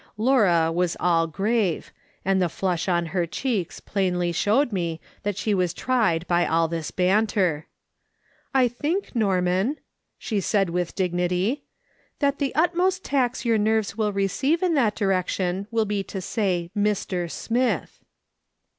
Laura was still grave, and the flush on her cheeks plainly showed me that she was tried by all this banter. " I think, Norman," she said with dignity, " that the utmost tax your nerves will receive in that direc tion will be to say, ' Mr. Smith.'